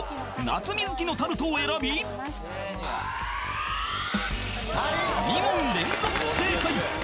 なつみずきのタルトを選び２問連続正解